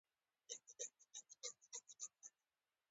کله چې غزل دوام کوي درې سېلابونو ته رسیږي.